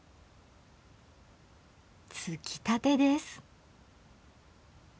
つきたてです。